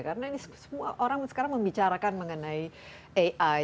karena ini semua orang sekarang membicarakan mengenai ai